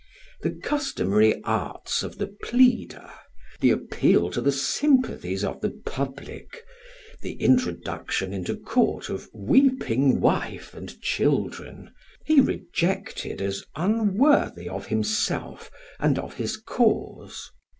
The customary arts of the pleader, the appeal to the sympathies of the public, the introduction into court of weeping wife and children, he rejected as unworthy of himself and of his cause.